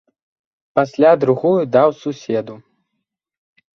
Пасля другую даў суседу.